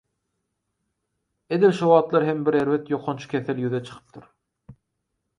Edil şo wagtlar hem bir erbet ýokanç kesel ýüze çykypdyr